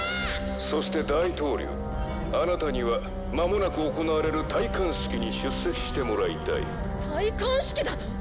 「そして大統領アナタにはまもなく行われる戴冠式に出席してもらいたい」戴冠式だと！？